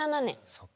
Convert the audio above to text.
そっか。